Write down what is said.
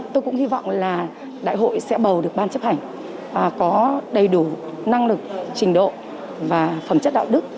tôi cũng hy vọng là đại hội sẽ bầu được ban chấp hành có đầy đủ năng lực trình độ và phẩm chất đạo đức